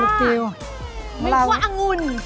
ไม่แครวอังุ่น